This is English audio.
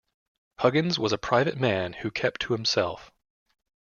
Huggins was a private man who kept to himself.